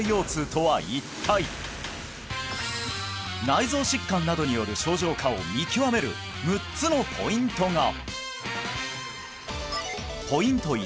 内臓疾患などによる症状かを見極める６つのポイントが！